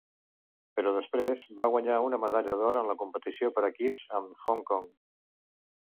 Però després va guanyar una medalla d'or en la competició per equips amb Hong Kong.